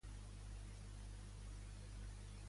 Què creu sobre el collar?